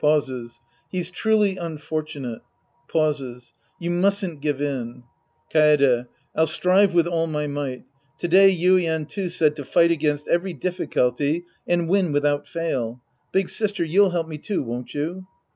(Pauses.) He's truly unfortunate. {Pauses.) You mustn't give in. Kaede. I'll strive with all my might. To day Yuien, too, said to fight every difficulty and win without fail. Big sister, you'll help me, too, won't you?